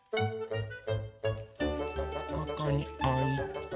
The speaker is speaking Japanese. ここにおいて。